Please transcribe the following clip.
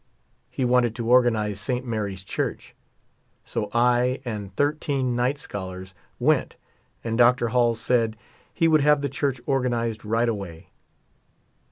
He wanted to organize Saint Mary's Church. So I and thirteen night scholars went, and Dr. Hall said he would have the church organized right away.